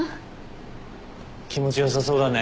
気持ち良さそうだね。